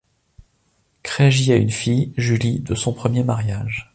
Craigie a une fille, Julie, de son premier mariage.